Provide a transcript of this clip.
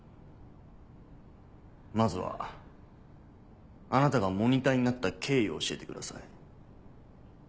まずはあなたがモニターになった経緯を教えてください。